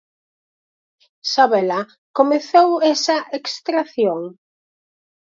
Sabela, comezou esa extracción?